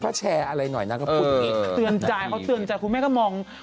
เขาแชร์อะไรหน่อยนะก็พูดอีกนิดนึงนาทีเค้าเตือนจ่ายเค้าเตือนจ่าย